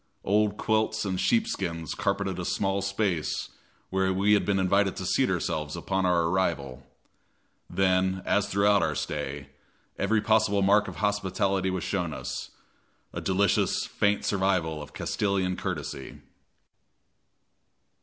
Old quilts and sheepskins carpeted a small space where we had been invited to seat ourselves upon our arrival. Then, as throughout our stay, every possible mark of hospitality was shown us a delicious, faint survival of Castilian courtesy.